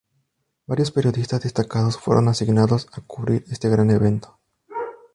Varios periodistas destacados fueron asignados a cubrir este gran evento.